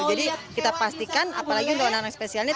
jadi kita pastikan apalagi untuk anak anak spesial ini